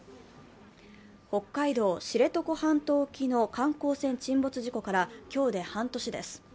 北海道・知床半島沖の観光船沈没事故から今日で半年です。